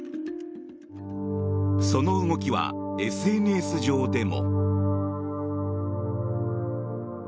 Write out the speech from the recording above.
その動きは、ＳＮＳ上でも。